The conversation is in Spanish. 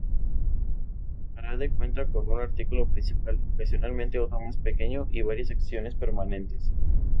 Parade cuenta de un artículo principal, ocasionalmente otro más pequeño y varias secciones permanentes.